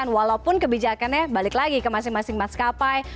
walaupun kebijakannya balik lagi ke masing masing mas kapai